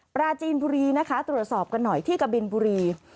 ปราจีนบุรีนะคะตรวจสอบกันหน่อยที่กะบินบุรี